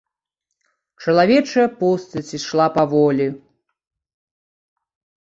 Чалавечая постаць ішла паволі.